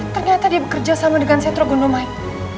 ternyata dia bekerja sama dengan seth rukunamait